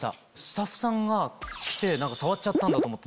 スタッフさんが来て触っちゃったんだと思って。